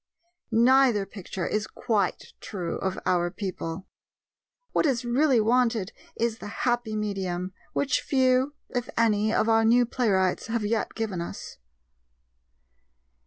Neither picture is quite true of our people. What is really wanted is the happy medium, which few, if any, of our new playwrights have yet given us.